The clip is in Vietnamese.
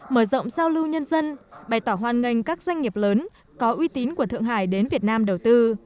mở rộng giao lưu nhân dân bày tỏ hoan nghênh các doanh nghiệp lớn có uy tín của thượng hải đến việt nam đầu tư